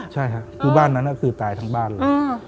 ใช่ค่ะคือบ้านนั้นคือตายทั้งบ้านเลย